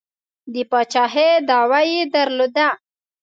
د پاچهي دعوه یې درلوده.